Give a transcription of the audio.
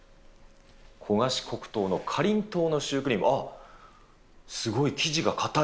焦がし黒糖のかりんとうのシュークリーム、あっ、すごい生地が硬い、